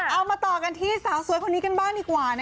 เอามาต่อกันที่สาวสวยคนนี้กันบ้างดีกว่า